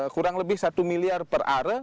kurang lebih satu miliar per ara